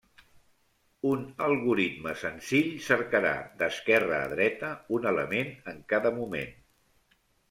Un algoritme senzill cercarà d'esquerra a dreta, un element en cada moment.